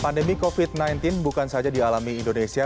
pandemi covid sembilan belas bukan saja dialami indonesia